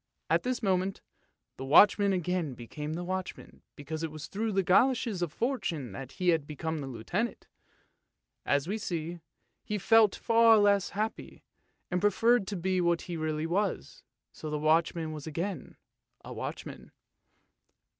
" At this moment the watchman again became a watchman because it was through the goloshes of Fortune that he had become a Lieutenant. As we see, he felt far less happy, and pre ferred to be what he really was, so the watchman was again a watchman.